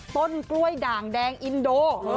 ต้นกล้วยด่างแดงอินโด